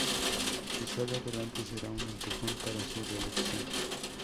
Si sale adelante será un empujón para su reelección.